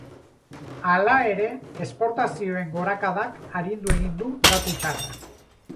Hala ere, esportazioen gorakadak arindu egin du datu txarra.